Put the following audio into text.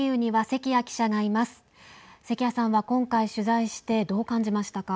関谷さんは今回、取材してどう感じましたか。